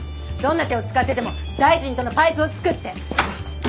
どんな手を使ってでも大臣とのパイプをつくって。